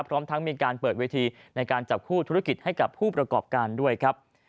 พร้อมทั้งมีการเปิดเวทีในการจับคู่ธุรกิจให้กับผู้ประกอบการด้วยครับ